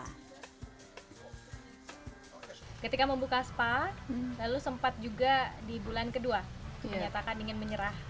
lalu sempat juga di bulan kedua menyatakan ingin menyerah